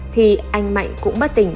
thì anh mạnh cũng bất tỉnh